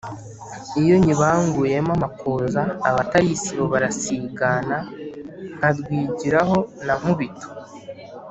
iyo nyibanguyemo amakuza abatali isibo barasigana, nkarwigiraho na nkubito.